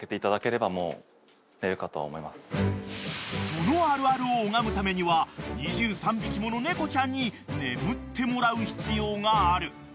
［そのあるあるを拝むためには２３匹もの猫ちゃんに眠ってもらう必要がある］